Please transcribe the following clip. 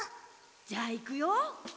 じゃあいくよ。